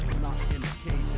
satu ketiga mungkin saya tadi